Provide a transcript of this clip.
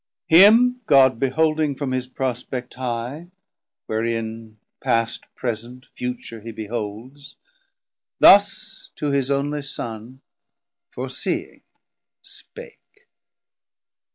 Him God beholding from his prospect high, Wherein past, present, future he beholds, Thus to his onely Son foreseeing spake.